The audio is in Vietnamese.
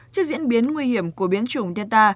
trước diễn biến nguy hiểm của biến chủng delta